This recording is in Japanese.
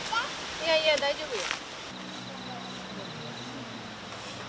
いやいや大丈夫よ。